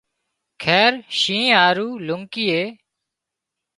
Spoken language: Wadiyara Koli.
خير شينهن هارو لونڪيئي